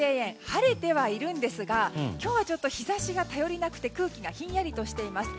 晴れてはいるんですが今日はちょっと日差しが頼りなくて空気がひんやりとしています。